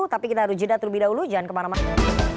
tapi kita harus jeda terlebih dahulu jangan kemana mana